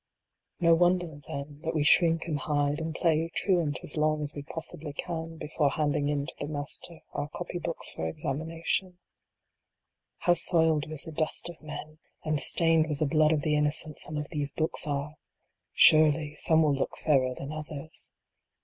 No wonder, then, that we shrink and hide, and play truant as long as we possibly can, before handing in to the Master our copy books for examination. How soiled with the dust of men, and stained with the blood of the innocent, some of these books are I Surely, some will look fairer than others. 104 THE AUTOGRAPH ON THE SOUL.